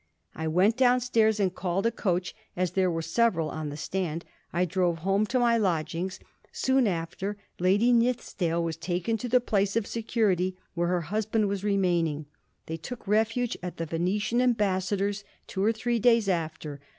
I went downstairs and called a coach, as there were several on the stand. I drove home to my lodgings.' Soon after Lady Nithisdale was taken to the place of security where her husband was remaining. They took refuge at the Venetian ambassador's two or three days after.